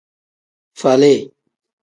Faali.